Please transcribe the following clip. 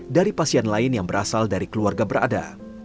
dari pasien lain yang berasal dari keluarga berada